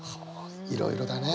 いろいろだね。